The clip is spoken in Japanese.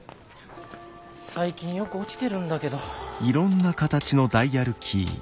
最近よく落ちてるんだけど。